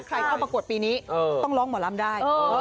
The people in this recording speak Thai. เข้าประกวดปีนี้ต้องร้องหมอลำได้